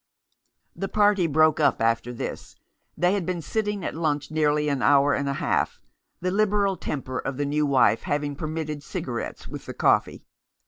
The party broke up after this. They had been sitting at lunch nearly an hour and a half, the liberal temper of the new wife having permitted cigarettes with the coffee.